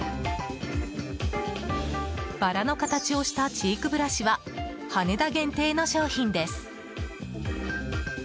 バラの形をしたチークブラシは羽田限定の商品です。